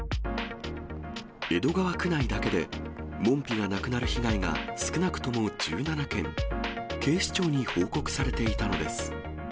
江戸川区内だけで、門扉がなくなる被害が少なくとも１７件、警視庁に報告されていたのです。